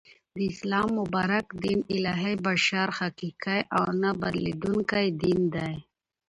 د اسلام مبارک دین الهی ، بشپړ ، حقیقی او نه بدلیدونکی دین دی